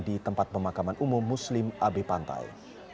di tempat pemakaman umum muslim ab pantai